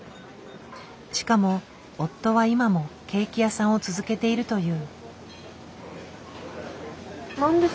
しかも夫は今もケーキ屋さんを続けているという。